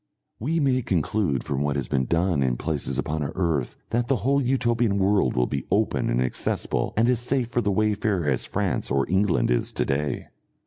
We may conclude from what has been done in places upon our earth that the whole Utopian world will be open and accessible and as safe for the wayfarer as France or England is to day.